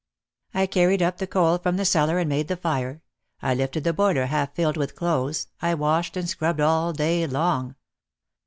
I carried up the coal from the cellar and made the fire, I lifted the boiler half filled with clothes, I washed and scrubbed all day long.